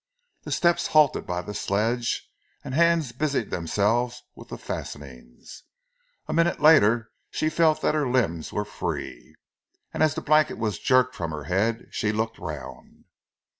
The steps halted by the sledge and hands busied themselves with the fastenings. A minute later she felt that her limbs were free; and as the blanket was jerked from her head, she looked round.